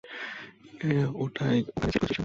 ওটা ওখানে সেট করেছিস কেন?